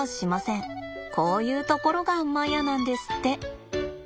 こういうところがマヤなんですって。